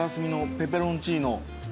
ペペロンチーノね。